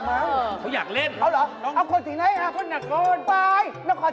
มาบ้านเขาแล้วมาบ้านเขาแล้ว